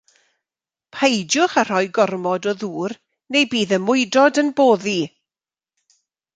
Peidiwch â rhoi gormod o ddŵr neu bydd y mwydod yn boddi.